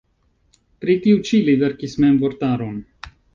Pri tiu ĉi li verkis mem vortaron.